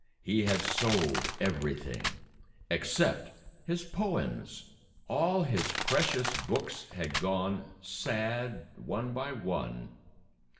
He had sold everything except his poems. All his precious books had gone, sad one by one.